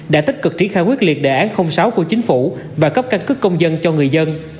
đã tích cực triển khai quyết liệt đề án sáu của chính phủ và cấp căn cức công dân cho người dân